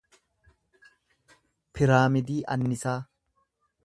piraamidii anniisaa